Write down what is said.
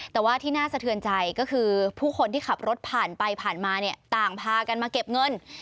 แต่ว่าที่น่าสะเทือนใจก็คือผู้คนที่ขับรถผ่านไปผ่านมาเนี่ยต่างพากันมาเก็บเงิน